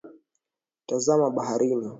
Tazama baharini.